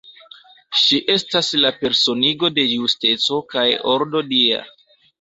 Ŝi estas la personigo de justeco kaj ordo dia.